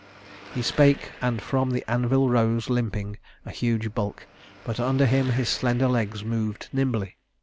He spake and from the anvil rose limping, a huge bulk, but under him his slender legs moved nimbly.